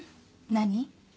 何？